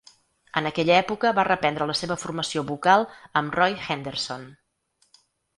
En aquella època va reprendre la seva formació vocal amb Roy Henderson.